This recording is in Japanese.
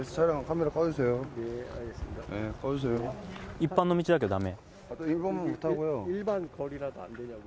一般の道だけどだめ？